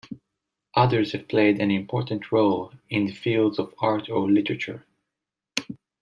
Others have played an important role in the fields of Art or Literature.